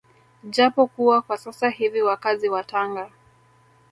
Japo kuwa kwa sasa hivi wakazi wa Tanga